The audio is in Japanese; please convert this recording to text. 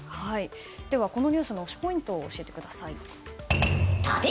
ではこのニュースの推しポイントを教えてください。